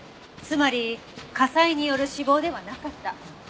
つまり火災による死亡ではなかった。